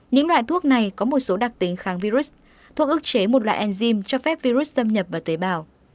những loại thuốc này có một số đặc tính kháng virus thuốc ước chế một loại enzym cho phép virus xâm nhập vào tế bào